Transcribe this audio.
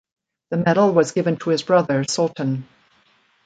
The medal was given to his brother Sultan.